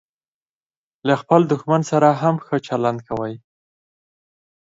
له خپل دوښمن سره هم ښه چلند کوئ!